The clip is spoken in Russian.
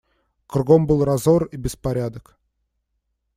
Кругом был разор и беспорядок.